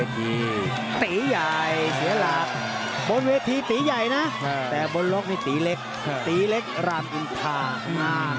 ตีใหญ่เจราะบนเวทีตีใหญ่นะแต่บนล็อกมีตีเล็กตีเล็กราบยืนทาง